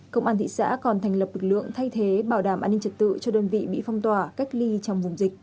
công an thị xã còn thành lập lực lượng thay thế bảo đảm an ninh trật tự cho đơn vị bị phong tỏa cách ly trong vùng dịch